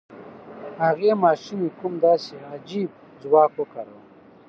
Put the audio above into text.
هغې ماشومې کوم داسې عجيب ځواک وکاراوه؟